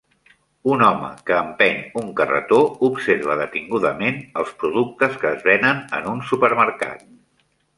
Un home que empeny un carretó observa detingudament els productes que es venen en un supermercat.